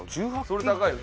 それ高いよ。